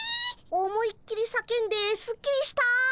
思いっきりさけんですっきりした。